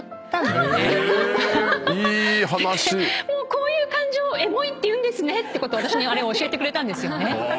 「こういう感情をエモいっていうんですね」ってことを教えてくれたんですよね。